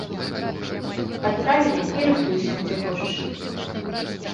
Адправілі, і рыхтуйся, дзе хочаш.